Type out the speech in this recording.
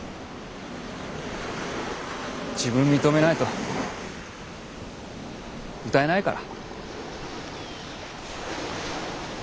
自分認めないと歌えないから。